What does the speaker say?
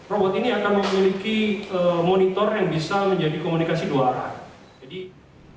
robot ini akan memiliki monitor yang bisa menjadi komunikasi dua arah